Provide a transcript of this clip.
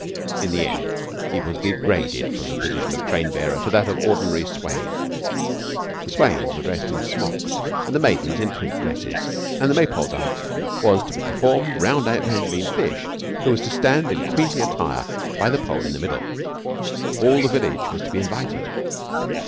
In the end he was degraded from the position of train bearer to that of ordinary "swain." The "swains" were to be dressed in smocks and the "maidens" in print dresses, and the Maypole dance was to be performed round Evangeline Fish, who was to stand in queenly attire by the pole in the middle. All the village was to be invited.